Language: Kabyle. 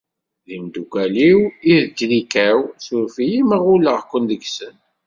D imdukal-iw i d ttrika-w. Surfet-iyi ma ɣulleɣ-ken deg-sen.